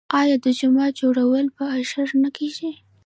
آیا د جومات جوړول په اشر نه کیږي؟